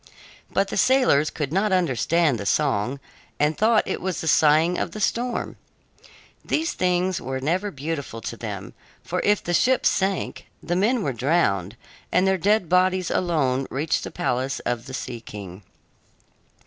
But the sailors could not understand the song and thought it was the sighing of the storm. These things were never beautiful to them, for if the ship sank, the men were drowned and their dead bodies alone reached the palace of the Sea King.